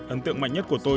ấn tượng mạnh nhất của tôi